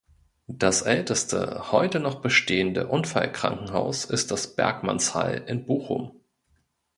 Das älteste, heute noch bestehende Unfallkrankenhaus ist das „Bergmannsheil“ in Bochum.